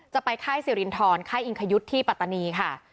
ไปค่ายสิรินทรค่ายอิงคยุทธ์ที่ปัตตานีค่ะ